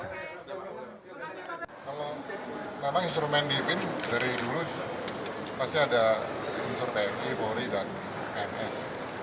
kalau memang instrumen di bin dari dulu pasti ada unsur tni polri dan ms